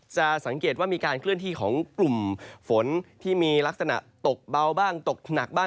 สังเกตว่ามีการเคลื่อนที่ของกลุ่มฝนที่มีลักษณะตกเบาบ้างตกหนักบ้าง